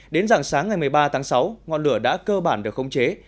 đến dạng sáng ngày một mươi ba tháng sáu ngọn lửa đã cơ bản được khống chế